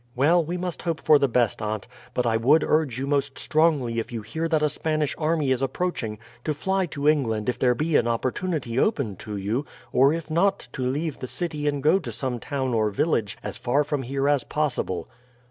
"Well, we must hope for the best, aunt; but I would urge you most strongly if you hear that a Spanish army is approaching to fly to England if there be an opportunity open to you, or if not to leave the city and go to some town or village as far from here as possible."